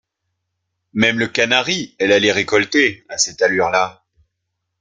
Même le canari, elle allait récolter, à cette allure-là.